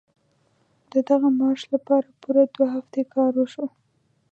د دغه مارش لپاره پوره دوه هفتې کار وشو.